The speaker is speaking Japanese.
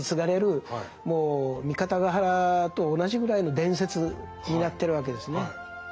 もう三方ヶ原と同じぐらいの伝説になってるわけですね。